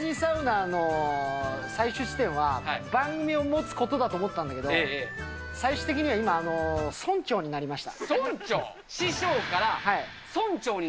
そうだね、俺も芸能人サウナーの最終地点は、番組を持つことだと思ってたんだけど、最終的には今、村長になりました。